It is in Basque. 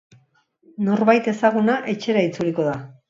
Norbait ezaguna etxera itzuliko da.